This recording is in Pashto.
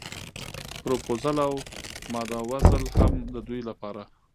پروپوزل او ماداوزل هم د دوی لپاره.